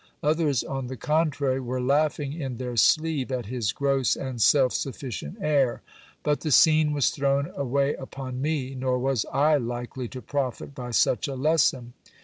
Others, on the contrary, were laughing in their sleeve at his gross and self sufficient air. But the scene was thrown away upon me; nor was I likely to profit by such a lesson.